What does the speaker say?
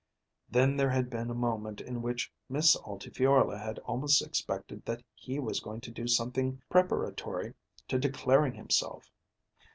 Then there had been a moment in which Miss Altifiorla had almost expected that he was going to do something preparatory to declaring himself.